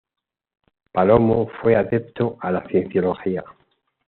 Palomo fue adepto de la cienciología.